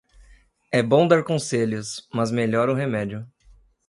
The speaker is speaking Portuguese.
É bom dar conselhos, mas melhor o remédio.